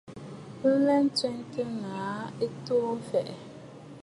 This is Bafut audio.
Bɨ ghɛɛ nswɛ̀tə naà ya ɨ to mfɛ̀ʼɛ̀.